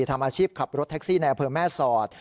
ทำอาชีพขับรถแท็กซี่ในอำเภอแม่สอด